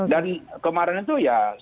dan kemarin itu ya